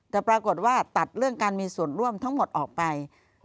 แต่ปรากฏว่าตัดเรื่องการมีส่วนร่วมทั้งหมดออกไป